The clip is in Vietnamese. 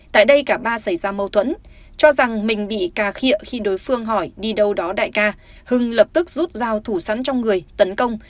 tại đây cả ba xảy ra mâu thuẫn cho rằng mình bị cà khaa khi đối phương hỏi đi đâu đó đại ca hưng lập tức rút dao thủ sắn trong người tấn công